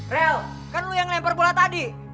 rel kan lu yang lempar bola tadi